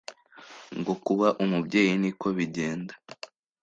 Ngo kuba umubyeyi niko bigenda